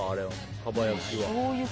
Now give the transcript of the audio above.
かば焼きは。